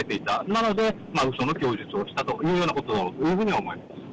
なので、うその供述をしたというようなことだと思います。